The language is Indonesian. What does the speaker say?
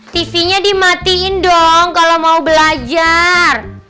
tv nya dimatiin dong kalau mau belajar